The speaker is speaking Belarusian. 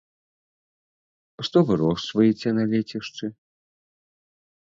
Што вырошчваеце на лецішчы?